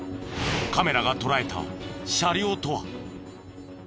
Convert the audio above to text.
カメラが捉えた車両とは？